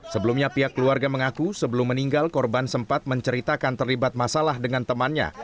sebelumnya pihak keluarga mengaku sebelum meninggal korban sempat menceritakan terlibat masalah dengan temannya